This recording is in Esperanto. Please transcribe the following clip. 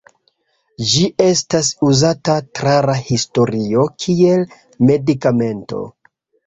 Ĝi estas uzata tra la historio kiel medikamento.